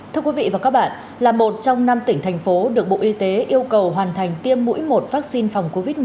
thưa quý vị và các bạn là một trong năm tỉnh thành phố được bộ y tế yêu cầu hoàn thành tiêm mũi một vaccine phòng covid một mươi chín